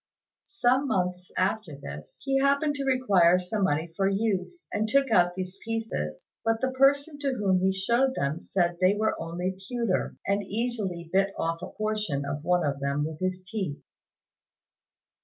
Some months after this, he happened to require some money for use, and took out these pieces; but the person to whom he showed them said they were only pewter, and easily bit off a portion of one of them with his teeth.